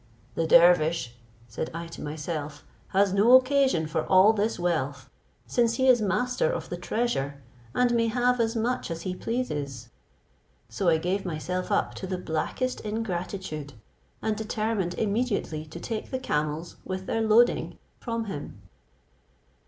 "The dervish," said I to myself, "has no occasion for all this wealth, since he is master of the treasure, and may have as much as he pleases;" so I gave myself up to the blackest ingratitude, and determined immediately to take the camels with their loading from him.